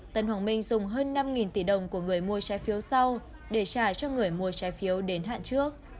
tân hoàng minh dùng hơn năm tỷ đồng của người mua trái phiếu sau để trả cho người mua trái phiếu đến hạn trước